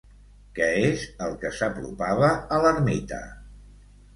Què és el que s'apropava a l'ermita?